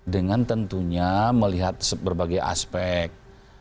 dengan tentunya melihat berbagai aspek